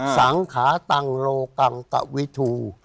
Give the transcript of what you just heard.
สังขาตังโลกังตะวิทู